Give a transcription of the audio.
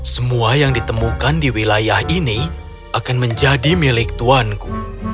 semua yang ditemukan di wilayah ini akan menjadi milik tuanku